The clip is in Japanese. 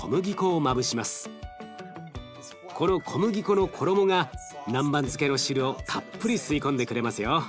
この小麦粉の衣が南蛮漬けの汁をたっぷり吸い込んでくれますよ。